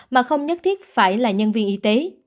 mà không nhất thiết phải là nhân viên y tế